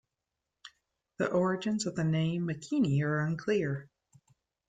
The origins of the name Makeni are unclear.